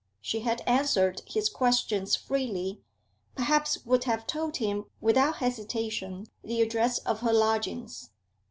She had answered his questions freely, perhaps would have told him without hesitation the address of her lodgings.